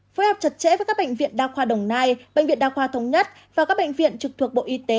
phối hợp chặt chẽ với các bệnh viện đa khoa đồng nai bệnh viện đa khoa thống nhất và các bệnh viện trực thuộc bộ y tế